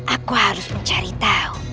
aku harus mencari tahu